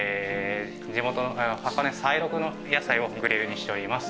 地元の箱根西麓の野菜をグリルにしております。